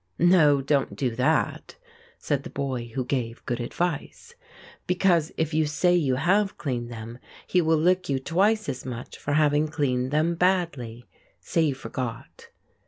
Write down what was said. "No, don't do that," said the boy who gave good advice, "because if you say you have cleaned them he will lick you twice as much for having cleaned them badly say you forgot."